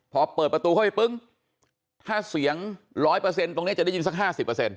พอเปิดประตูเข้าไปปึ้งถ้าเสียงร้อยเปอร์เซ็นต์ตรงเนี้ยจะได้ยินสักห้าสิบเปอร์เซ็นต์